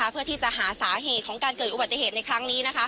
เพื่อที่จะหาสาเหตุของการเกิดอุบัติเหตุในครั้งนี้